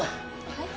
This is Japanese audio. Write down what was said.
はい？